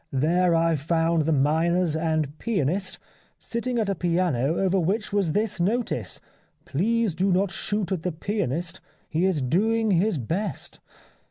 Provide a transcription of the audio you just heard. There I found the miners and pianist — sitting at a piano over which was this notice :' Please do not shoot at the pianist, he is doing his best.'